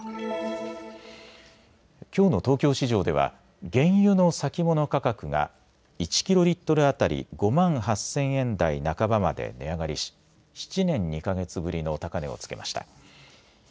きょうの東京市場では原油の先物価格が１キロリットル当たり５万８０００円台半ばまで値上がりし７年２か月ぶりの高値をつけました。